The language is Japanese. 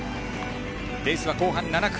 レースは後半、７区。